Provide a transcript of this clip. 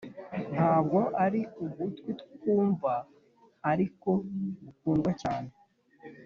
ntabwo ari ugutwi kwumva, ariko, gukundwa cyane,